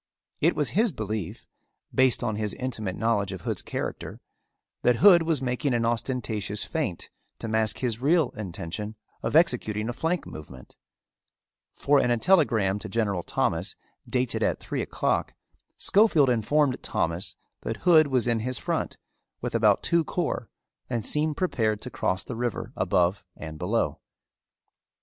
It was his belief, based on his intimate knowledge of Hood's character, that Hood was making an ostentatious feint to mask his real intention of executing a flank movement, for in a telegram to General Thomas, dated at three o'clock, Schofield informed Thomas that Hood was in his front with about two corps and seemed prepared to cross the river above and below.